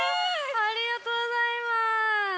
ありがとうございます。